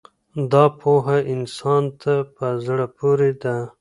دا پوهه انسان ته په زړه پورې ده.